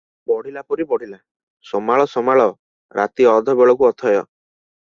ବଢ଼ିଲାପରି ବଢିଲା- ସମାଳ, ସମାଳ- ରାତି ଅଧ ବେଳକୁ ଅଥୟ ।